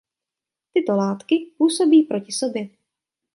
Tyto látky působí proti sobě.